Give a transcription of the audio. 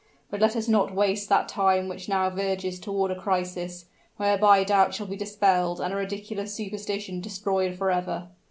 But let us not waste that time which now verges toward a crisis, whereby doubt shall be dispelled and a ridiculous superstition destroyed forever."